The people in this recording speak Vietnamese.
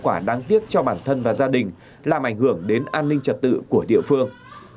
vụ gây tiếc cho bản thân và gia đình làm ảnh hưởng đến an ninh trật tự của địa phương